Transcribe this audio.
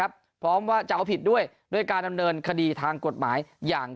พร้อมว่าจะเอาผิดด้วยด้วยการดำเนินคดีทางกฎหมายอย่าง